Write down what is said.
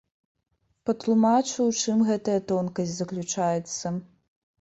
Патлумачу, у чым гэтая тонкасць заключаецца.